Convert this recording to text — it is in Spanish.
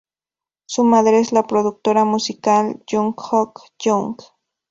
Su madre es la productora musical Jung Ok-young.